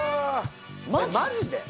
マジで？